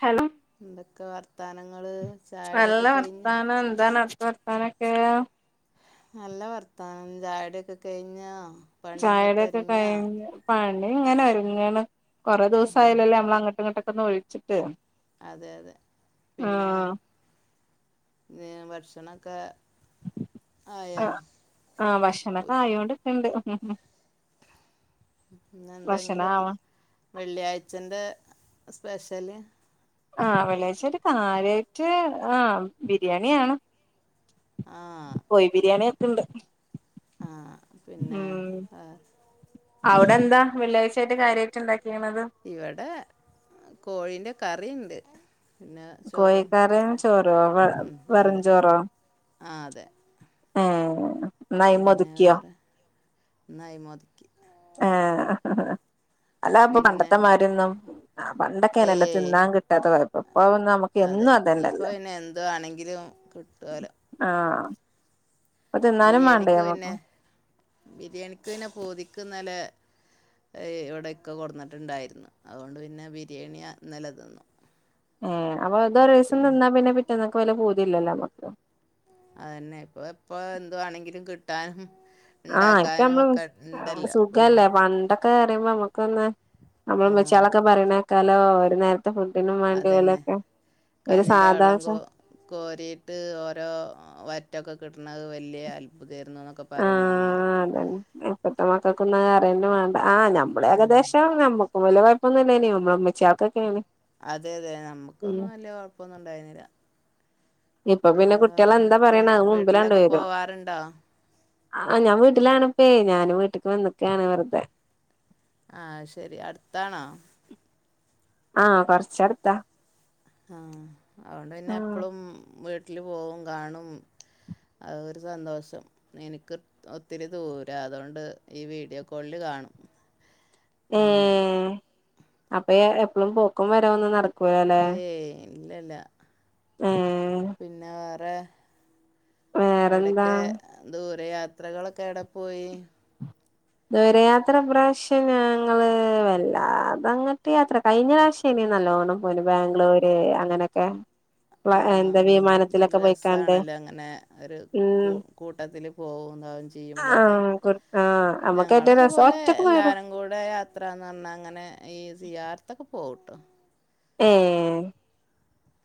Hello എന്തൊക്ക വർത്താനങ്ങള്...? നല്ല ചായുടിയൊക്കെ കഴിഞ്ഞോ വർത്താനം. എന്താാണവ്ടത്ത വർത്താനൊക്കെ...? നല്ല വർത്താനം. ചായുടിയൊക്കെ കഴിഞ്ഞൊ...? ചായുടിയൊക്കെ കഴി പണി ഇങ്ങനെ ഒരുങ്ങണ്... കൊറേ ദിവസായല്ലല്ലേ നമ്മള അങ്ങോട്ടിങ്ങട്ടൊക്കെ ഒന്ന് വി ച്ചിട്ട് അതെ അതെ ങാ..... ങ്‌... ഭക്ഷണക്ക ങ.. ങാ... ഉ- ഭക്ഷണൊക്കെ ആയോണ്ടിക്കണ്ട്. ഉം.. ഉം.. ഉം. ഭക്ഷണം ഇന്നെന്തെങ്കിലും ആവ വെള്ളിയാഴ്ചന്റെ സ്പെഷല് ആഹ് വെള്ളിഴ്ച ഒരു കാര്യായിട്ട് ആഹ് ബിരിയാണിയ ആണ് ആഹ് കോഴി ബിരിയാണി വെക്കണ്ട് ആ പിന്നെ വെ അവ്ടെ എന്താ വെള്ളിയാഴ്ചയായിട്ട് കാര്യയിട്ട് ഇ ണ്ടാക്കിക്കണത് ഇവടെ കോഴീന്റെ കറിണ്ട് കോഴിക്കാറിം ചോറോ വ ഉം വെറും അതെ ചോറോ ആ അതെ ഏ നൈ മൊത് ക്കിയോ ന്നയിമൊതിക്കി ഏഹ് അല്ല അപ്പൊ പിന്നെ പണ്ടത്തെമാരൊന്നും ആ പണ്ടൊക്കെനെല്ലോ ഏയ് തിന്നാൻ കിട്ടാത്ത കുഴപ്പോം ഇപ്പൊ മ്മുക്ക് അതെ എന്നും അതെന്ന ല്ലേ കിട്ടോലൊ ആഹ് ഇപ്പ തിന്നാനും വേണ്ടേ മ്മക്ക് ബിരിയാണിക്ക്പിന്നെ പുതുക്കിന്നലെ ഇവിടെഇക്ക കൊടുന്നിട്ടുണ്ടായിരുന്നു അതുകൊണ്ട് പിന്നെ ബിരിയാണി ഇന്ന ല തി ന്നു ഏ അപ്പൊ ഇതൊ ഒരിസം തിന്നാ പിന്നെ പിറ്റന്നൊക്ക് വല്ല പു തില്ലല്ലോ നമ്മുക്ക് അയന്നെ ഇപ്പൊ ഇപ്പ എന്തുവാണെങ്കിലും കിട്ടാനും ആഹ് ഇപ്പ ഉണ്ടാക്കാനും മ്മള് ഒക്കെ ഉണ്ടല്ലോ അപ്പോൾ സുഖല്ലേ പിന്നെ പണ്ടൊ ക്കെ പറയുമ്പോക്കൊന്ന് നമ്മളെ ആ മെച്ചളൊക്കെ പറയണേക്കാലോ ഒരു നേരത്തെ ട്ടിനും വേണ്ടി അതന്നെ വലൊക്കെ ഒരു സാധാ കോരിട്ട് ഓരോ വറ്റൊക്കെ കിട്ടണത് വല്ല്യ അത്ഭുതയിരുന്നുന്നൊക്കെ പറിണാണാലൊ ആ അതെ ഇപ്പത്ത മക്കൊക്കന്നും അറിയന്നെ വേണ്ട ആ നമ്മളും ഏ ഉം. കദേശംമാണ് നമ്മ ഓല് കുഴപൊന്നുല്ലെന് നമ്മച്യ ക്കൊക്കെയാണ് അതെ അതെ നമ്മുക്കൊന്നും വല്ല്യ കൊഴപ്പൊന്നും ഉണ്ടായിന്നില്ല ഇപ്പൊ പിന്നെ കുട്ട്യാള എന്താ എന്തൊക്കെ പറയണ അത് മുമ്പിലാണല്ലോ വീട്ടിലൊക്കെ വര പോവാറുണ്ടോ ആ ഞാ വീട്ടിലാണപ്പേ ഞാന് വീട്ടിക്ക് വന്നൊക്കെണ് വെറ്തെ ങാ... ശരി. അടുത്താണോ..? ങാ... കൊറച്ചടുത്താ. ആഹ് അയോണ്ട് പിന്നെ എപ്പളും വീട്ടില് പോവും കാണും അ ഒരു സന്തോഷം ഇനിക്ക് ഒത്തിരി ദൂര അതൊണ്ട് ഈ വീഡിയോ കോളില് കാണും അങ്ങനെയുള്ളൂ ഏഹ് അപ്പൊ എപ്പളും പോക്കും വരവൊന്നും ഒന്നും നട ഏയ് ഇല്ലല്ല ഉം പിന്നെ വേറെ വേറെന്താ എവിടെക്കെ ങ.. ദൂരയാത്രകളൊക്ക എവിടപ്പോയി..? ദൂരയാത്ര ഈപ്രാവശ്യം ഞങ്ങള്... വല്ലാതങ്ങട്ട് യാത്ര കഴിഞ്ഞ പ്രാവശ്യനി നലോണം പോയിന് ബാംഗ്ലൂര്... അങ്ങനക്കെ ങാ.. ങും.. നല്ല പോയിക്കാണ്ട് രസാണല്ലേ.. അങ്ങനെ ഒരു ഉം കൂ കൂട്ടത്തില് പോകുംകാവും ചെയ്യുമ്പൊക്കെ. ആഹ് കു ആഹ് നമ്മുക്ക് ഞങ്ങള് ഏറ്റവും രസം ഇതുപോലെ ഒറ്റക്ക് പോയതാ എല്ലാരും കൂടെ.. യാത്രാന്ന് പറഞ്ഞാങ്ങനെ ഈ സിയാർത്തൊക്കെ പോകുട്ടോ. മ്മ്മ്.....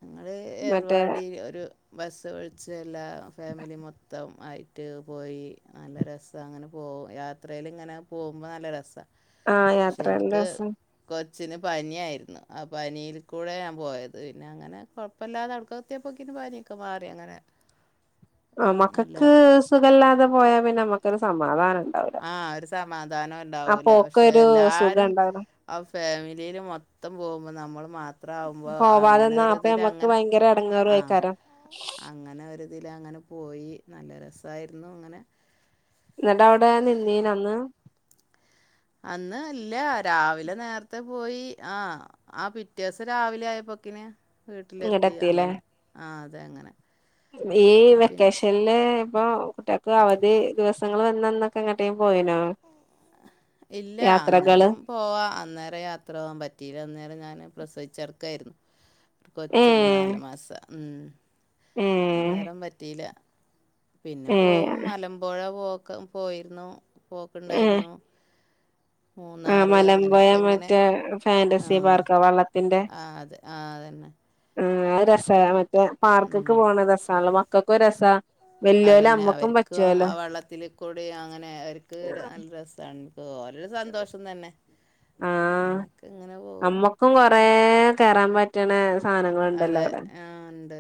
ഞങ്ങള്... ഏർവാടി ഒരു ബസ്സ് വിളിച്ച്എല്ലാ... ഫാമിലി മൊത്തം.. ആയിട്ട്.. പോയി.. നല്ല രസ് അങ്ങനെ പോ.. യാത്രയിലിങ്ങനെ പോകുമ്പോ നല്ല രസാ. ആഹ് പക്ഷെ യാത്രല്ല എനിക്ക് രസം കൊച്ചിന് പനി ആയിരുന്നു. ആ പനിയില്ക്കൂടെ ഞാൻ പോയത് പി പിന്നങ്ങനെ.. കൊഴപ്പില്ലാതെ അവിടക്കെത്തിയപ്പോക്കിന് പനിയൊക്കെ മാറി അങ്ങനെ ങാ.. മക്കക്ക് നല്ല സുഖല്ലാതെ പോയാ പിന്നെ നമ്മക്കൊരു സമാധാനം ഉണ്ടാ ങാ... ഒരു സമാധാനം ഉണ്ടാവൂല പക്ഷെ അപ്പോക്കൊരു സുഖം എല്ലാരും ഉണ്ടാവൂല ആ ഫാമിലിയില് മൊത്തം പോകുമ്പോ, നമ്മൾ മാത്രം ആവുമ്പോ അങ്ങനെ ഒരു അപ്പ നമുക്ക് ഭയങ്കര ഇടങ്ങേറും ആയിക്കാര അങ്ങന ഒരിതില് അങ്ങനെ പോയി... നല്ല രസായിരുന്നു അങ്ങനെ എന്നിട്ടവിട നിന്നീനന്ന്? അന്ന് ല്ല.. രാവില നേരത്തെ പോയി ങാ ആ പിറ്റേ ദിവസം രാവിലെ ആയപ്പോക്കിന് ഇങ്ങട്ട് വീട്ടിലെത്തി... അങ്ങനെ.. ആ.. അതെ.. അങ്ങനെ. നീ... ഈ പിന്നെ വെക്കേഷൻ ലെഇപ്പൊ.. കുട്ടികക്ക് അവധി ദിവസങ്ങള് വന്നന്നൊക്കെ എങ്ങോട്ടേലും പോയിനോ? ഇല്ല യാത്രകള് അന്നേരം പോവാ.. അന്നരം യാത്ര പോവാമ്പറ്റിയിലന്നേരം ഞാന് പ്രസവിച്ചെടക്കെയാരുന്നു. കൊച്ചുണ്ട്. ഏഹ് നാല് മാസം. ഉം... ഏഹ് അന്നേരം പറ്റീല്ല. പിന്നെ ഏഹ് പോവും മലമ്പുഴപോക്കം പോയിരുന്നു... പോക്കുണ്ടായിരുന്നു... ആ മൂന്നാറ് അങ്ങനെയൊക്കെ ഇങ്ങനെ മലമ്പുഴമറ്റേ ആ ഫാന്റസി പാർക്കാ വെള്ളത്തിൻ്റെ ആ, അത് ആ അതന്നെ ആ രസാ മറ്റേ പാർക്കൊക്ക പോണ രസാ മക്കൾക്കെ രസാ വല്യോല് അതുന്നെ അമ്മക്കും അവർക്കും പറ്റുവല്ലോ ആ വെള്ളത്തി കൂടി അങ്ങനെ അവ നല്ല രസമാണ് എനിക്ക് ഓരരു സന്തോഷം തന്നെ അങ്ങനെയൊക്കെ ഇങ്ങനെ പോകും ഇപ്പോ കൊറേ കേറാൻ പറ്റണ സാധനങ്ങളുണ്ടല്ലോ അതെ അവിടെ ആ ഉണ്ട്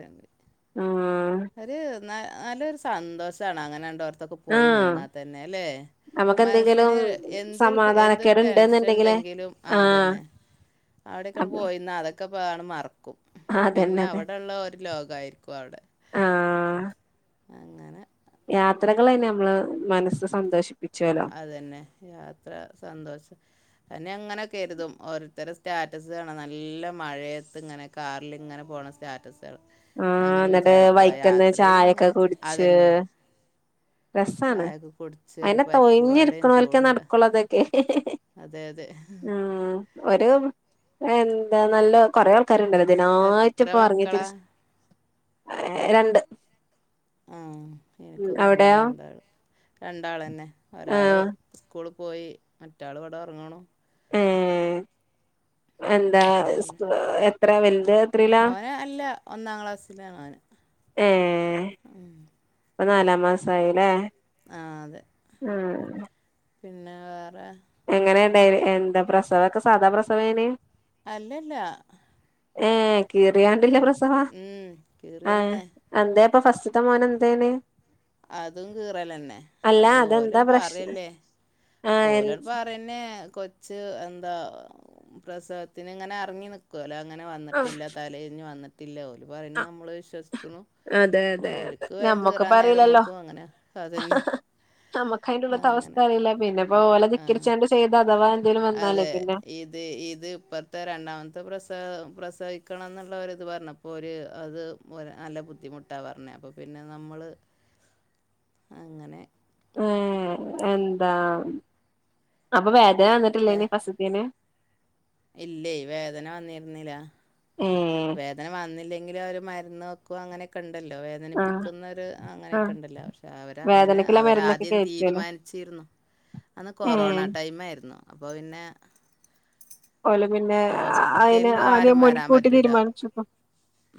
ആഹ് ഒരു ന നല്ലൊരു സന്തോഷാണ് അങ്ങനെ എണ്ടോരത്തൊക്കെ പോയി ആഹ് നിന്നാൽ തന്നെ അല്ലേ? നമുക്ക് എന്തെങ്കിലും മനസ്സിന് എന്ത് എന്തൊരു സമാധാനക്കേട് ടെൻഷൻ ഇണ്ട്ന്നുണ്ടെങ്കില് ഉണ്ടെങ്കിലും ആഹ് അതന്നെ അവിടെക്കെ അതെ പോയിരുന്നാൽ അതൊക്കെ അങ്ങട്മറക്കും അതന്നെ പിന്നെ അതെ അവിടെയുള്ള ഒരു ലോകയിരിക്കും അവിടെ അങ്ങനെ യാത്രകൾ തന്നെ നമ്മള് മനസ്സ് സന്തോഷിക്കും അതന്നെ യാത്ര സന്തോഷം അന്നെ അങ്ങനെയൊക്കെ കരുതും ഓരോത്തടെ സ്റ്റാറ്റസ് കാണ നല്ല മഴയത്ത് ഇങ്ങനെ കാറിൽ ഇങ്ങനെ പോകണ സ്റ്റാറ്റസ്കള് ആഹ് അങ്ങനെ എന്നിട്ട് വിചാരിക്കുവ വൈക്കന്ന് യാത്രയിൽ ചായൊക്കെ ഇങ്ങനെ കുടിച്ച് അതെന്നെ രസാണ് ചായയൊക്കെ കുടിച്ച് ഒരു അയിനെ പരിപ്പുവടയും തൊയിഞ്ഞിരിക്കണോൽക്കെ ചൂടുള്ള നടക്കുള്ളൂ അതൊക്കെ അതെ അതെ ഉം ഒരു എന്താ നല്ല കൊറെ ആൾക്കാരുണ്ടല്ലോഇതിനായിട്ട് എത്ര ഇപ്പ ഇറങ്ങി മക്കളാ തിരിച്ച് ഏ രണ്ട് ആ ഉം എനിക്കും തന്നെ അവിടെയോ രങ്ങള്ളൂ രണ്ടാൾ തന്നെ. ഒരാള് ആഹ് സ്കൂളിൽ പോയി മറ്റാൾ ഇവിടെ ഉറങ്ങണു ആ എന്താ എത്ര വലത് ഓന അല്ല ഒന്നാം ക്ലാസ്സിലാണ് ഓന് ഉം ഇപ്പ നാലാം മാസയില്ലേ ആ അതെ പിന്നെ വേറെ എങ്ങനെയ ഉണ്ടായ എന്താ പ്രസവൊക്കെ സാദാ പ്രസവേനെയ അല്ലല്ല ഏ കീറിയാണ്ടില്ല പ്രസവ ഉം ആഹ കീറിയന്നെ എന്താ ഇപ്പൊ ഫസ്റ്റ്ത്തെ മോന എന്തേന അതും കീറലന്നെ അല്ല അത്പോലെ അതെന്താ പ്രശ്നം പറല്ലേ ആഹ് എൻ ഓലപ്പറന്നെ കൊച്ച് എന്താ പ്രസവത്തിന് ഇങ്ങനെ അറങ്ങി നി [unintelligible] അങ്ങനെ വന്നിട്ടില്ല തല തിരിഞ്ഞ് വന്നിട്ടില്ല ഓല പറയുന്നത് നമ്മൾ വിശ്വസിക്കുന്നു അതെ അതെ അതെ ഞമ്മക്ക് നേരം അറിയിലല്ലോ വെക്കും അങ്ങനെ അതന്നെ ഹ ഹ നമ്മുക്ക അതിന്റെ ഉള്ളത്തെ അങ്ങനെ അവസ്ഥ അറില്ല പിന്നെ ഇപ്പോ ഓല ആ തിക്കരിച്ചാണ്ട് ചെയ്ത് അഥവാ എന്തേലും വന്നാലേ അതെ പിന്നെ ഇത് ഇത് ഇപ്പറത്തെ രണ്ടാമത്തെ പ്രസ പ്രസവിക്കണം എന്നുള്ളവര് ഇത് പറഞ്ഞ അപ്പോൾ ഒരു അത് നല്ല ബുദ്ധിമുട്ടാണ് പറഞ്ഞത് അപ്പോൾ പിന്നെ നമ്മൾ അങ്ങനെ ഏ എന്താ അപ്പൊ വേദന വന്നിട്ടില്ലേ ഇനി ഫസ്റ്റ്ത്തേന് ഇല്ലേ വേദന വന്നിരുന്നില്ല ഉം വേദന വന്നില്ലെങ്കിലും അവര് മരുന്ന് [unintelligible] അങ്ങനെയൊക്കെ ഉണ്ടല്ലോ ആഹ് വേദനിപ്പിക്കുന്നവർ അങ്ങനെയൊക്കെ ആഹ് ഉണ്ടല്ലോ പക്ഷെ അവര അങ്ങനെ വേദനക്കുള്ള മരുന്നൊക്കെ അവരാദ്യം കേറ്റുവല്ലോ തീരുമാനിച്ച ച്ചിരുന്നു അന്ന് ഏ കൊറോണ ടൈം ആയിരുന്നു അപ്പൊ പിന്നെ [unintelligible] പിന്നെ അതിന് ഹോസ്പിറ്റലിൽ ആദ്യം ആരും വരാൻ മുൻകൂട്ടി പറ്റില്ല തീരുമാനിച്ചു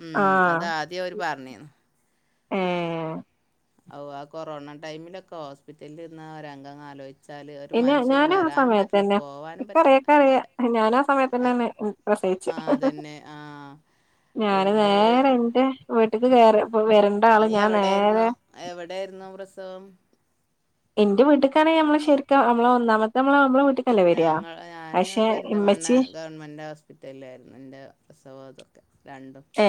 ഉം അതാദ്യം അവര് പറഞ്ഞു ഉം ഓ ആ കൊറോണ ടൈമിലൊക്കെ ഹോസ്പിറ്റലിൽ ഇന്ന് ഒരംഗങ്ങ ആലോചിച്ചു വച്ചാൽ ഒരു പിന്നെ മനുഷ്യന് ഞാനും ആ വരാനും പറ്റില്ല സമയത്തന്നെ പോവാനും പറ്റില്ല ഇക്കറിയക്കറിയ ഞാനാ സമയത്തന്നെയാണ് പ്രസവിച്ചെ ആഹ് തന്നെ ആഹ് ഞാന് നേരെ എൻന്റെ വീട്ടിക്ക് കേറിപ്പം വരണ്ട ആള് ഞാൻ നേരെ എവിടൊയിരുന്നു പ്രസവം എന്റെ വീട്ടുകാണെ നമ്മള ശരിക്കും നമ്മള ഒന്നാമത്തെ നമ്മള നമ്മള വിട്ടി ഞങ്ങള ഞാന് പെരിന്തമണ്ണ ഗവ മെന്റ് ഹോസ്പിറ്റലിലായിരുന്നു എൻ്റെ പ്രസവം ഇതൊക്കെ രണ്ടും ഏ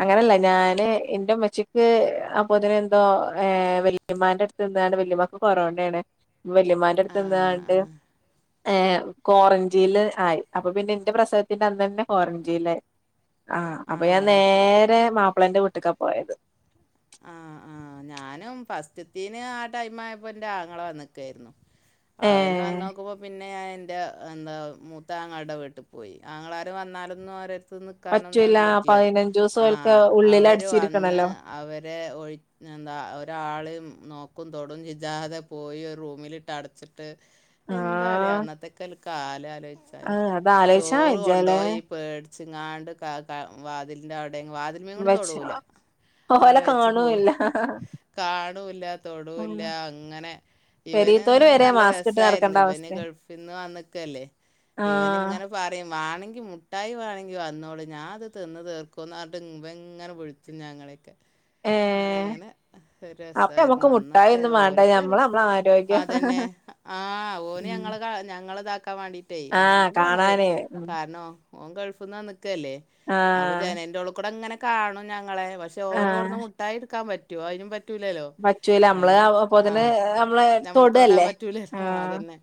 അങ്ങനെയല്ല ഞാന് എന്റെ ഉമ്മച്ചി [unintelligible] അപ്പൊതിനെ എന്തോ വലീമാന്റെ അടുത്ത് എന്ത വല്യമാക്ക് കൊറോണാണ് വെല്യമാന്റെ ആ അടുത്ത് ആ എന്തണ്ട് ഏ കോററ്റില് ആയി അപ്പൊ പിന്നെ എന്റെ പ്രസവത്തിന്റെ അന്ന് തന്നെ കോററ്റീലായി ആഹ് ആ അപ്പൊ ഞാൻ അത് ശരി നേരെ മാപ്പിളന്റെ വീട്ടക്കാ പോയത് ആഹ ആഹ് ഞാനും ഫസ്റ്റത്തീന് ആ ടൈം ആയപ്പോ എന്റെ ആങ്ങളെ വന്നിക്കായിരുന്നു അവന് ഏഹ് വന്നോക്കുമ്പോ പിന്നെ ഞാൻ എന്റ എന്താ മൂത്താങ്ങളെടെ വീട്ടിൽ പോയി ആങ്ങളാര് വന്നാലെന്നും നര് പറ്റൂല നിക്കാനൊന്നിനെന്നും പറ്റില്ലല്ലോ പതിനഞ്ചൂസം ആ ഓൽക്ക് അവർ വന്ന് ഉള്ളിലടച്ചിരിക്കണല്ലോ അവര് ഒരെ ഒഴി എന്താ ഒരാളും നോക്കും തൊടും ജിജാതെ പോയി ഒരു റൂമിലിട്ട് അടച്ചിട്ട് എന്താല ആഹ് അന്നത്തേക്ക കാലലോചിച്ചാൽ ആഹ് അത് ആലോയിച്ചാ ചോറ് വെജ്ജാലേ കൊണ്ടുപോയി പേടിച്ചിങ്ങാണ്ട് ക ക വാതിലിൻ്റെ അവിടെയും വാതിമെയും ഇമ്മച്ചി കൂടിതൊടൂല ഓലെ അവിടെ വെച്ച്പോ കാണൂല്ല കാണൂല്ല തൊടൂല്ല ഉം അങ്ങനെ ഇവന് പെരീത്തോല് എന്നിട്ട് വരെ നല്ല മാസ്ക് ഇട്ട് നടക്കണ്ട രസായിരുന്നു ഇവന് അവസ്ഥയ ഗൾഫിൽന്ന് വന്നിക്കല്ലേ ആഹ് ഇവനിങ്ങനെ പറയും വാണെങ്കി മുട്ടായി വാണെങ്കി വന്നോളി ഞാഅത് തിന്ന് തീർക്കൂന്ന് പറഞ്ഞട്ട് ഇവയിങ്ങനെ വി കുഞ്ഞാങ്ങളെക്കെ ഏഹ് ഞാൻഅങ്ങനെ എന്ത് അപ്പൊ നമ്മക്ക് രസാമായിരുന്നു മുട്ടായി അന്നൊക്കെ ഒന്നും വേണ്ട ഓര്ക്ക് ഞമ്മള് നമ്മളെ ആരോഗ്യം അതന്നെ ആ ഓന് ഉം ഞങ്ങള് ഞങ്ങളെ ഇതാക്കാൻ വേണ്ടീട്ടേ ആഹ് വേണെങ്കി വന്നോളൂ കാണാനേ ഉം കാരണോ ഓൻ ഗൾഫിന്ന് വന്ന് നിക്കല്ലേ അപ്പൊ ആഹ് ജനന്റെ ഉള്ളിൽ കൂടെ അങ്ങനെ കാണും ഞങ്ങളെ പക്ഷെ ഓന് കൊടു ആഹ് മുട്ടായി എടുക്കാൻ പറ്റുമോ അതിനും പ റ്റൂലല്ലോ പറ്റൂല നമ്മള് അയിന് ആ അപ്പോത്തിന് നമ്മള് നമ്മൾ തോടാൻ തൊടല്ലേ പറ്റൂലേ ആ ആഹ് അതന്നെ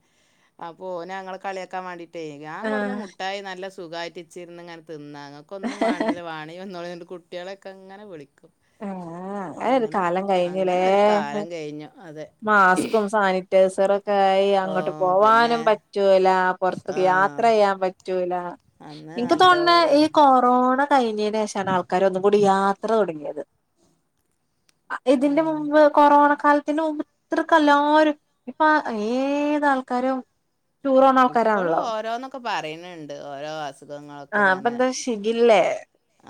അപ്പോ ഓന് ഞങ്ങളേ കളിയാക്കാൻ വേണ്ടിട്ടേ ഞാൻ കൊടുന്ന് ആഹ് മുട്ടായി നല്ല സുഖമായിറ്റിച്ചിരുന്ന് ഇങ്ങനെ തിന്നാ ഒൊന്നും വണ്ടില്ല വാണ്ടിങ്കി വന്നൊളി പറഞ്ഞിട്ട് കുട്ടികളൊക്കേ അങ്ങനെ വിളിക്കും ആഹ് അങ്ങനെ ഒരു കാലം കഴിഞ്ഞില്ലേ അങ്ങനെ ഒരു കാലം കഴിഞ്ഞു. അതെ. മാസ്കും സാനി റ്റേസറൊക്കെ ആയി ഓ അങ്ങോട്ട് പിന്നെ പോവാനും പറ്റൂല ആ പുറത്തക്ക് യാത്ര ചെയ്യാൻ പറ്റൂല അന്ന് എനിക്ക് നല്ല തോന്നേ ഒരു ഈ കൊറോണ കഴിഞ്ഞേന് ശേഷാണ് ആൾക്കാര് ഒന്നും കൂടി യാത്ര തുടങ്ങിയത് ആ ഇതിന്റെ മുമ്പ് കൊറോണ കാലത്ത് ത്തി മുൻപ് ഇത്രക്കല്ലാരും ഇപ്പൊ ഏതാൾക്കാരും ഇപ്പോളും ഓരോന്നൊക്കെ പറയനുണ്ട് ഓരോ അസുഖങ്ങളൊക്കെ ആഹ് അപ്പൊ ഇങ്ങനെ എന്താ ഷിഗില്ലേ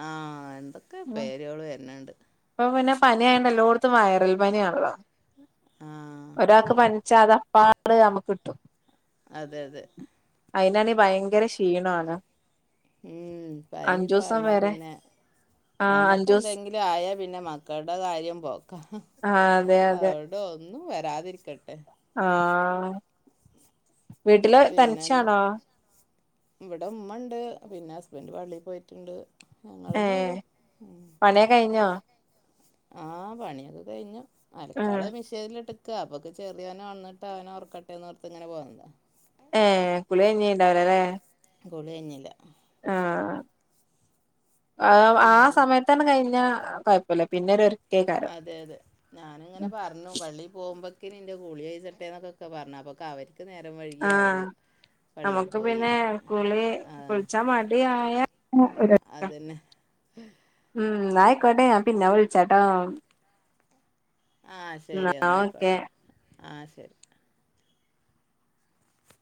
ആഹ് എന്തൊക്കെ പേരുകള് വരുന്നുണ്ട് ഇപ്പൊ പിന്നെ പനിയായണ്ട് എല്ലോടുത്തും വയറൽ പനിയാണല്ലോ ആ ഒരാൾക്ക് പനി ചതപ്പാട് നമ്മുക്ക് കിട്ടും അതെ അതെ അയിനാണേ ഭയങ്കര ക്ഷീണാണ് ഉം പനിയൊക്കെ അഞ്ചൂസം വന്നാ വരെ പിന്നെ ആഹ് അഞ്ചൂസ് നമുക്ക്ന്തെങ്കിലും ആയാൽ പിന്നെ മക്കളുടെ കാര്യം പോക്കാ ആഹ് അതെ അതെ [unintelligible] ഒന്നും വരാതിരിക്കട്ടെ. ആഹ് വീട്ടില് പിന്നെ എന്തൊ- തനിച്ചാണോ ഇവിടെ ഉമ്മണ്ട് പിന്നെ ഹസ്ബന്റ് പള്ളിൽ പോയിട്ടുണ്ട് ഞങ്ങന്നെ ഉള്ളു ഉം പണിയ കഴിഞ്ഞോ ആഹ് പണിയൊക്കെ കഴിഞ്ഞു ഉം അലക്കാനുള്ള മെഷീ ചെനിലിട്ടുങ്ക അപ്പൊക്ക് ചെറിയവനെണന്നിട്ട് അവനെ ഒറക്കട്ടെന്ന് ഓർത്ത് ഇങ്ങനെ പോകന്താ [unintelligible] ഏ കുളികഞ്ഞീണ്ടാവീ അലെ കുളി കയ്ഞ്ഞില്ല ആഹ് ആ ആ പിന്നെ സമയത്ത് എത്തം കഴിഞ്ഞാ കുഴപ്പമില്ല പിന്നെ ഒരുക്കെ കാരം അതെ അതെ ഞാനിങ്ങനെ പറഞ്ഞു പള്ളിൽ പോകുമ്പക്കനും എന്റെ കുളി കഴതിട്ട എന്നൊക്കെ പറഞ്ഞു അപ്പക്ക അവര് ക്ക് നേരം വഴുകിയ അവർ ആഹ് നമുക്ക് പിന്നെ കുളി ആ കുളിച്ചാ മടി ആയ [unintelligible] അതന്നെ ഉം ആയക്കോട്ടെ ആ പിന്നെ വിളിച്ചാട്ടോ ആ ശരി ന്നാ എന്നാ ഓക്കെ ആയിക്കോട്ടെ ആ ശരി